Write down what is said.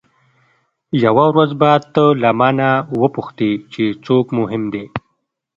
یوه ورځ به ته له مانه وپوښتې چې څوک مهم دی.